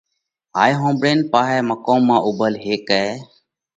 هائي ۿومڀۯينَ پاهئہ مقوم مانه اُوڀل هيڪئہ